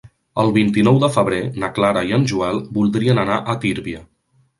El vint-i-nou de febrer na Clara i en Joel voldrien anar a Tírvia.